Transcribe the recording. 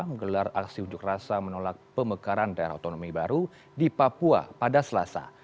menggelar aksi unjuk rasa menolak pemekaran daerah otonomi baru di papua pada selasa